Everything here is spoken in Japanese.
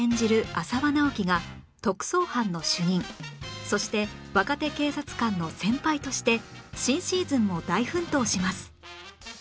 浅輪直樹が特捜班の主任そして若手警察官の先輩として新シーズンも大奮闘します